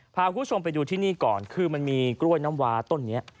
พาคุณผู้ชมไปดูที่นี่ก่อนคือมันมีกล้วยน้ำวาต้นนี้